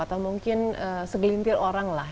atau mungkin segelintir oranglah